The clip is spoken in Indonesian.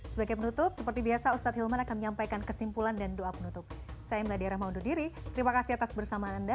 saya mbak diara maundudiri terima kasih atas bersama anda